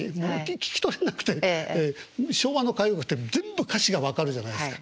昭和の歌謡曲って全部歌詞が分かるじゃないですか。